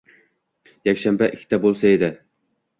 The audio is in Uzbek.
Yakshanba ikkita bo‘lsa edi.